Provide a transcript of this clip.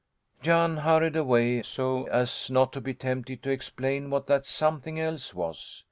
Jan hurried away so as not to be tempted to explain what that something else was.